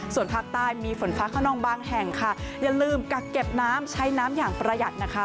ส่วนภาคใต้มีฝนฟ้าขนองบางแห่งค่ะอย่าลืมกักเก็บน้ำใช้น้ำอย่างประหยัดนะคะ